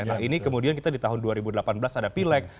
nah ini kemudian kita di tahun dua ribu delapan belas ada pileg